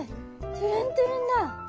トゥルントゥルン。